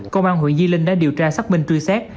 công an huyện di linh đã điều tra xác minh truy xét